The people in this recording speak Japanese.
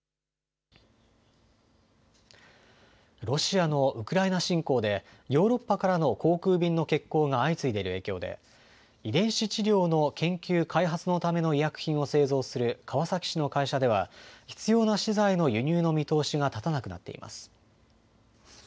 ロシアのウクライナ侵攻で、ヨーロッパからの航空便の欠航が相次いでいる影響で、遺伝子治療の研究・開発のための医薬品を製造する川崎市の会社では、必要な資材の輸入の見通しが立たなくなっています。